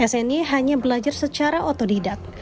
sni hanya belajar secara otodidak